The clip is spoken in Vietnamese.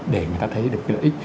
để người ta thấy được cái lợi ích